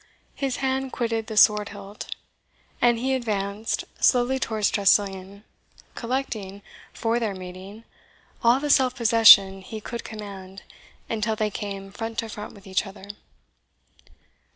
His hand quitted the sword hilt, and he advanced slowly towards Tressilian, collecting, for their meeting, all the self possession he could command, until they came front to front with each other.